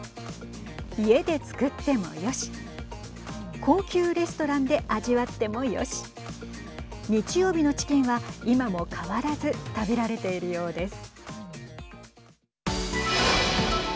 家で作ってもよし高級レストランで味わってもよし日曜日のチキンは今も変わらず食べられているようです。